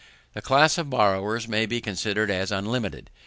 The class of borrowers may be considered as unlimited.